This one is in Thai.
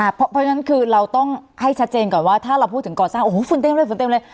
เพราะฉะนั้นคือเราต้องให้ชัดเจนก่อนว่าถ้าเราพูดถึงก่อสร้างโอ้โหฝุ่นเต็มเลยฝุ่นเต็มเลย